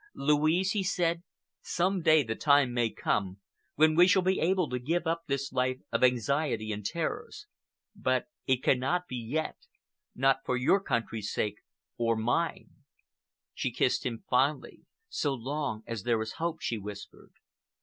"Louise," he said, "some day the time may come when we shall be able to give up this life of anxiety and terrors. But it cannot be yet—not for your country's sake or mine." She kissed him fondly. "So long as there is hope!" she whispered.